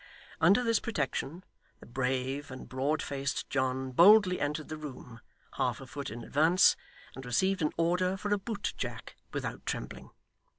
Under this protection, the brave and broad faced John boldly entered the room, half a foot in advance, and received an order for a boot jack without trembling.